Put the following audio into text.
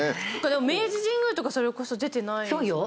明治神宮とかそれこそ出てないですもんね。